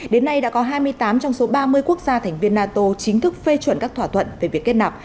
đến nay đã có hai mươi tám trong số ba mươi quốc gia thành viên nato chính thức phê chuẩn các thỏa thuận về việc kết nạp